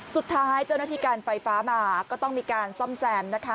สุดท้ายเจ้าหน้าที่การไฟฟ้ามาก็ต้องมีการซ่อมแซมนะคะ